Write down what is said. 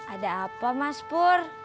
ada apa mas pur